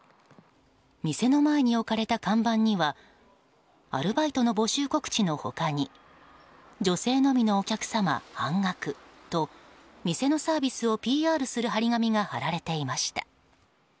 店の前に置かれた看板にアルバイトの募集告知の他に女性のみのお客様半額と店のサービスをＰＲする貼り紙が貼られていました。